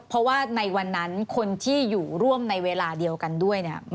เพราะว่าในวันนั้นคนที่อยู่ร่วมในเวลาเดียวกันด้วยเนี่ย